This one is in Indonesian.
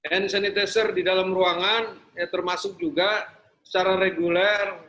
hand sanitizer di dalam ruangan termasuk juga secara reguler